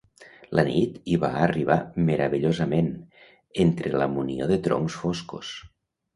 La nit hi va arribar meravellosament, entre la munió de troncs foscos.